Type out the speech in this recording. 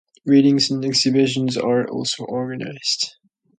Readings and exhibitions are also organized.